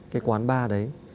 cái quán bar đấy